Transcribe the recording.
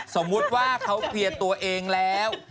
สมมุติว่าเขาเคลียร์ตัวเองแล้ว